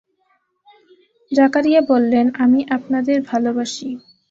জাকারিয়া বললেন, আমি আপনাদের ভালবাসি।